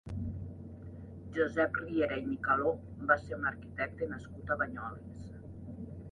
Josep Riera i Micaló va ser un arquitecte nascut a Banyoles.